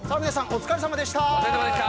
お疲れさまでした。